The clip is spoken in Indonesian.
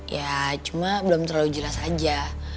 ya cuma belum terlalu jelas aja